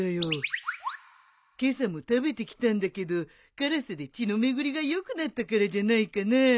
今朝も食べてきたんだけど辛さで血の巡りが良くなったからじゃないかな。